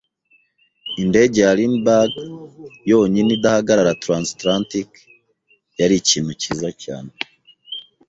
Indege ya Lindbergh yonyine idahagarara transatlantique yari ikintu cyiza cyane.